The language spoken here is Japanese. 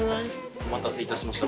お待たせいたしました。